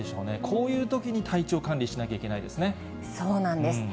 こういうときに体調管理しなきゃいけないですね。